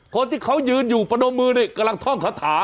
คนที่เขายืนอยู่ประโดมือเนี่ยกำลังท่องขนาดนี้นะครับ